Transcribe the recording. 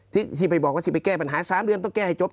ที่ไปบอกว่าที่ไปแก้ปัญหา๓เดือนต้องแก้ให้จบ